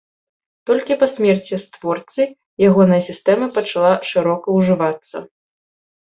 Толькі па смерці створцы ягоная сістэма пачала шырока ўжывацца.